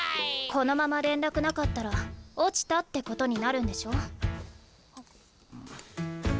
このまま連絡なかったら落ちたってことになるんでしょ？